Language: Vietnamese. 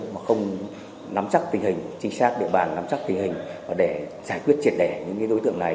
mà không nắm chắc tình hình chính xác địa bàn nắm chắc tình hình và để giải quyết triệt đẻ những đối tượng này